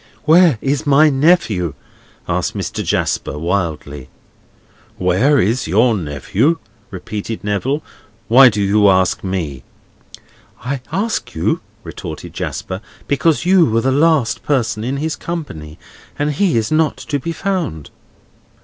"Where is my nephew?" asked Mr. Jasper, wildly. "Where is your nephew?" repeated Neville, "Why do you ask me?" "I ask you," retorted Jasper, "because you were the last person in his company, and he is not to be found."